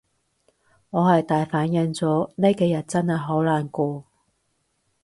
我係大反應咗，呢幾日真係好難過